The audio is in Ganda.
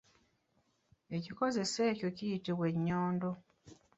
Ekikozeso ekyo kiyitibwa ennyondo.